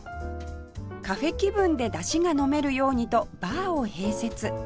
カフェ気分でだしが飲めるようにとバーを併設